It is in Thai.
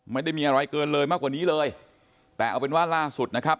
ไม่ได้มีอะไรเกินเลยมากกว่านี้เลยแต่เอาเป็นว่าล่าสุดนะครับ